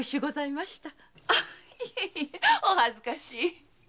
いえいえお恥ずかしい。